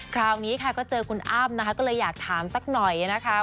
คราวนี้ค่ะก็เจอคุณอ้ำนะคะก็เลยอยากถามสักหน่อยนะคะ